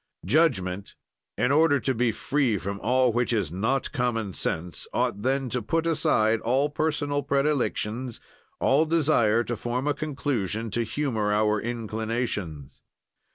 "Judgment, in order to be free from all which is not common sense, ought then to put aside all personal predilections, all desire to form a conclusion to humor our inclinations.